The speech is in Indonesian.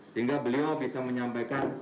sehingga beliau bisa menyampaikan